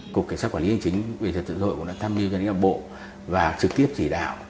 cục kỳ sát quản lý hành chính quỹ trật thực hội cũng đã tham dự cho những bộ và trực tiếp chỉ đạo